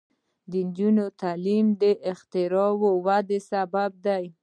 د نجونو تعلیم د اختراع ودې سبب دی.